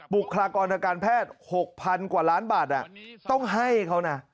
บุคลากรทางการแพทย์๖๐๐๐กว่าล้านบาทต้องให้เขานะ